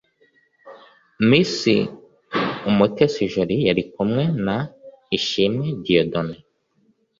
Miss Mutesi Jolly yari kumwe naI shimwe Dieudonne